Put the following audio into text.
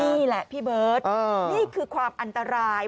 นี่แหละพี่เบิร์ตนี่คือความอันตราย